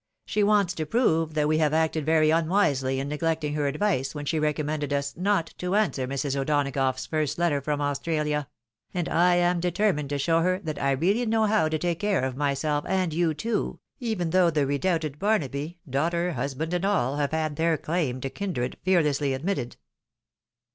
She wants to prove that we have acted very xmwisely in neglecting her advice when she recommended us not to answer Mrs. O'Donagough's first letter from Australia ; and I am determined to show her that I really know how to take care of myself and you too, even though the redoubted Barnaby, daughter, husband, and all, have had their claim to kindred fearlessly admitted."